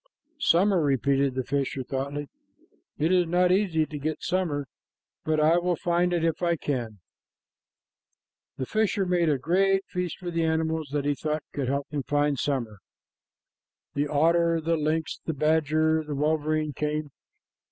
"Summer," repeated the fisher thoughtfully. "It is not easy to get summer, but I will find it if I can." PART II. The fisher made a great feast for the animals that he thought could help him to find summer. The otter, the lynx, the badger, and the wolverine came.